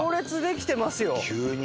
急に！